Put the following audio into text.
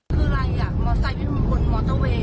คืออะไรอ่ะมอเตอร์ไซวิ่งบนมอเตอร์เวย์